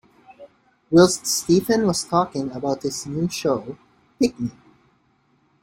Whilst Stephen was talking about his new show Pick Me!